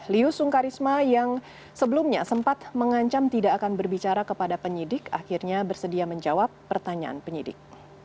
liu sungkarisma yang sebelumnya sempat mengancam tidak akan berbicara kepada penyidik akhirnya bersedia menjawab pertanyaan penyidik